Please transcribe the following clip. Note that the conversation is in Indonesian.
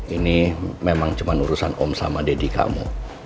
ini memang cuma urusan om sama deddy kamu